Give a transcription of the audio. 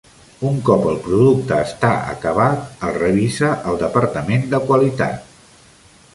Un cop el producte està acabat el revisa el departament de qualitat.